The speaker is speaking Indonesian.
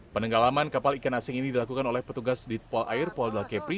penenggelaman kapal ikan asing ini dilakukan oleh petugas direkturat polair polda kepri